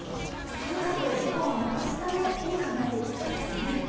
とにかく事故をなくすために考えていきたいですね。